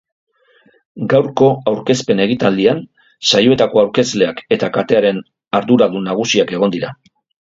Gaurko aurkezpen ekitaldian saioetako aurkezleak eta katearen arduradun nagusiak egon dira.